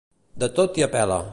De tot i a pela.